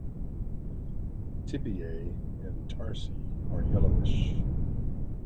Tibiae and tarsi are yellowish.